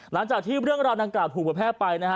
หลังจากที่เรื่องราวดังกล่าวถูกประแพร่ไปนะฮะ